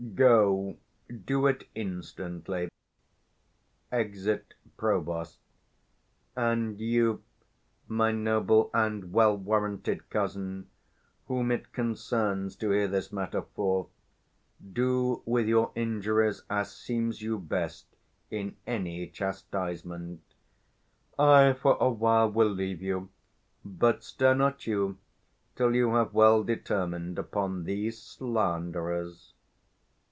_ Go do it instantly. [Exit Provost. And you, my noble and well warranted cousin, Whom it concerns to hear this matter forth, Do with your injuries as seems you best, In any chastisement: I for a while will leave you; 255 But stir not you till you have well determined Upon these slanderers.